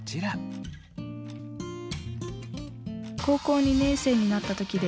「高校２年生になった時です。